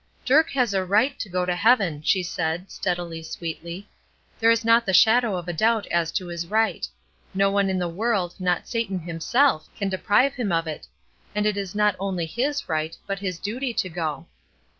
"Dirk has a right to go to heaven," she said, steadily, sweetly; "there is not the shadow of a doubt as to his right. No one in the world not Satan himself can deprive him of it; and it is not only his right, but his duty to go."